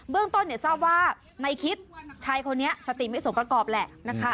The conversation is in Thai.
เรื่องต้นทราบว่าในคิดชายคนนี้สติไม่สมประกอบแหละนะคะ